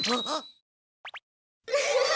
ウフフ！